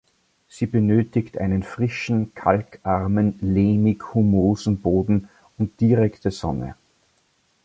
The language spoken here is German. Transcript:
Sie benötigt einen frischen, kalkarmen, lehmig-humosen Boden und direkte Sonne.